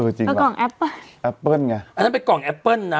จริงคือกล่องแอปเปิ้ลแอปเปิ้ลไงอันนั้นเป็นกล่องแอปเปิ้ลนะ